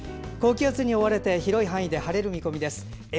高気圧に覆われて広い範囲で晴れる見込みです。